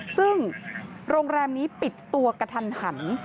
ซึ่งโรงแรมนี้ปิดตัวกระทันหัน